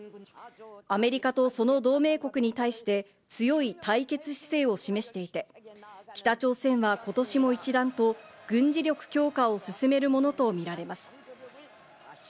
アメリカとその同盟国に対して強い対決姿勢を示していて、北朝鮮は今年も一段と軍事力強化を進めるものとみられます。